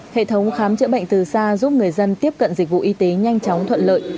hệ thống khám chữa bệnh từ xa giúp người dân tiếp cận dịch vụ y tế nhanh chóng thuận lợi